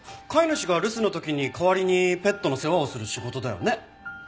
飼い主が留守の時に代わりにペットの世話をする仕事だよね。